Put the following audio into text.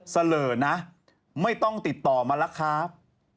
เสลอนะไม่ต้องติดต่อมาแล้วครับ